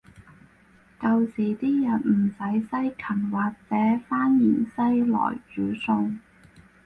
舊時啲人唔使西芹或者番芫茜來煮餸